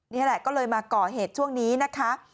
นี่แหละก็เลยมาก่อเหตุช่วงนี้นะคะ